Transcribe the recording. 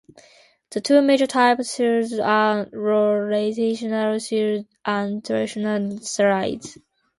The two major types of slides are rotational slides and translational slides.